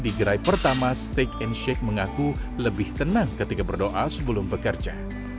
di gerai pertama steak and shake mengaku lebih tenang ketika berdoa sebelum bekerja